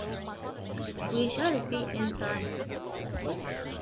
We shall be in time.